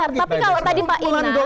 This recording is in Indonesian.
tapi kalau tadi pak ini